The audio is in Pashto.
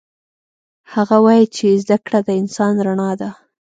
هغه وایي چې زده کړه د انسان رڼا ده